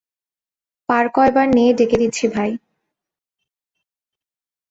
পার করবার নেয়ে ডেকে দিচ্ছি ভাই!